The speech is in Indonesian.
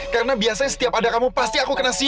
karena biasanya setiap ada kamu pasti aku kena sial